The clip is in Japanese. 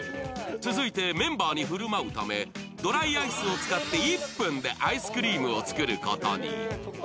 続いてメンバーに振る舞うため、ドライアイスを使って１分でアイスクリームを作ることに。